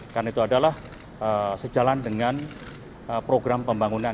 karena itu adalah sejalan dengan program pembangunan